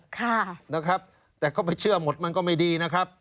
ค่ะนะครับแต่เขาไปเชื่อหมดมันก็ไม่ดีนะครับ